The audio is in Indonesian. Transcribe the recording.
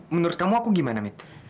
menurut kamu aku gimana mitra